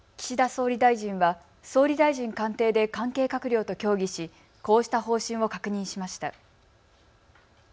岸田総理大臣は総理大臣官邸で関係閣僚と協議しこうした方針を確認しました。